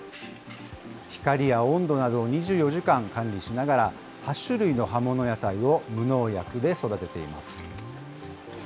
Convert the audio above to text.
光や温度などを２４時間管理しながら、８種類の葉物野菜を無農薬で育てています。